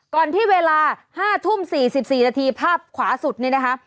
ก่อนที่เวลา๕ทุ่ม๔๔นาทีภาพขวาสุดนี่นะคะ